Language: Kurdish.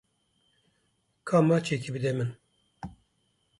Ka maçekê bide min